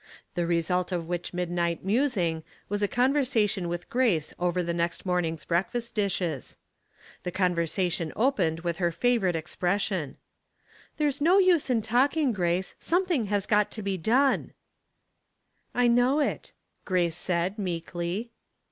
The result of which midnight musing was a conversation with Grace over the next morning's breakfast dishes. The conversa tion opened with her favorite expression, —" There's no use in talking, Grace. Some thing has got to be done. " I know it," Grace said, meekly.